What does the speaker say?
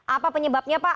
apa penyebabnya pak